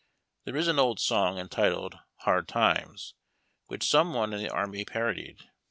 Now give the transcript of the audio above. ! There is an old song, entitled " Hard Times," which some one in the army parodied.